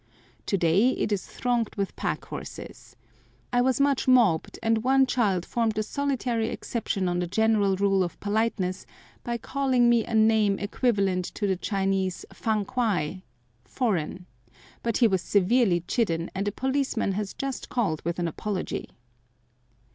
To day it is thronged with pack horses. I was much mobbed, and one child formed the solitary exception to the general rule of politeness by calling me a name equivalent to the Chinese Fan Kwai, "foreign;" but he was severely chidden, and a policeman has just called with an apology.